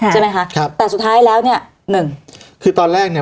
ใช่ไหมคะครับแต่สุดท้ายแล้วเนี่ยหนึ่งคือตอนแรกเนี่ย